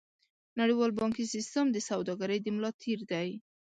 نړیوال بانکي سیستم د سوداګرۍ د ملا تیر دی.